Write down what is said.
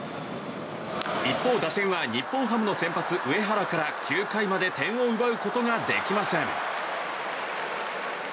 一方、打線は日本ハムの先発、上原から９回まで点を奪うことができません。